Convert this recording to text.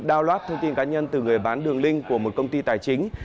download thông tin cá nhân từ người bán đường link của một công ty tài chính